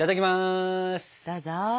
どうぞ。